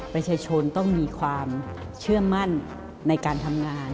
ประชาชนต้องมีความเชื่อมั่นในการทำงาน